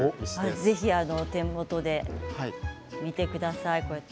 ぜひ手元で見てください。